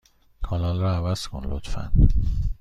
کانال را عوض کن، لطفا.